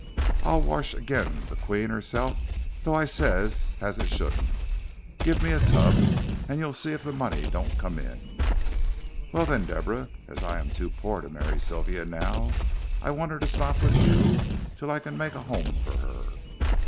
I'd wash ag'in the queen 'erself, tho' I ses it as shouldn't. Give me a tub, and you'll see if the money don't come in." "Well, then, Deborah, as I am too poor to marry Sylvia now, I want her to stop with you till I can make a home for her."